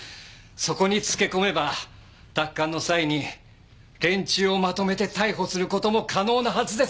そこにつけ込めば奪還の際に連中をまとめて逮捕する事も可能なはずです！